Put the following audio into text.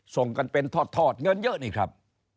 ส่งกันเป็นทอดเงินเยอะนี่ครับ